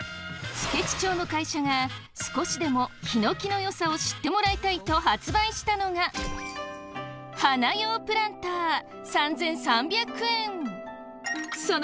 付知町の会社が少しでもヒノキの良さを知ってもらいたいと発売したのが花用プランター３，３００円。